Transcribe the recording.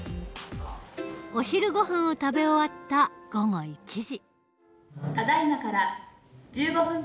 お昼ごはんを食べ終わった午後１時。